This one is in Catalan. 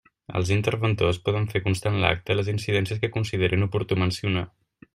Els interventors poden fer constar en l'acta les incidències que consideren oportú mencionar.